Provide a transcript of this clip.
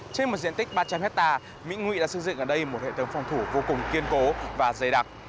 trên một diện tích ba trăm linh hectare mỹ ngụy đã xây dựng ở đây một hệ thống phòng thủ vô cùng kiên cố và dày đặc